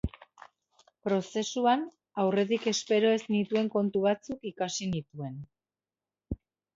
Prozesuan aurretik espero ez nituen kontu batzuk ikasi nituen.